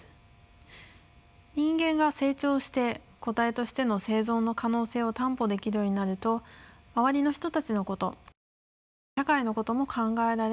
人間が成長して個体としての生存の可能性を担保できるようになると周りの人たちのことそして社会のことも考えられるようになります。